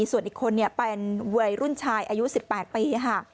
ส่วนอีกคนเป็นวัยรุ่นชายอายุ๑๘ปีค่ะ